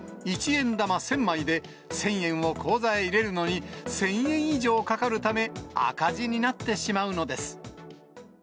一円玉１０００枚で１０００円を口座へ入れるのに１０００円以上かかるため、赤字になってしまうのです。